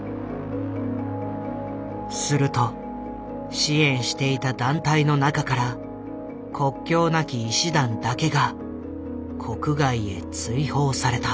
すると支援していた団体の中から国境なき医師団だけが国外へ追放された。